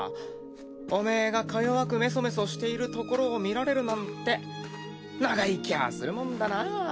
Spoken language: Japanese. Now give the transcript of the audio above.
オメエがか弱くメソメソしているところを見られるなんて長生きゃするもんだなぁ。